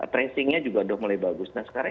tracingnya juga udah mulai bagus nah sekarang